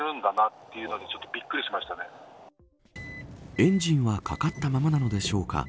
エンジンはかかったままなのでしょうか。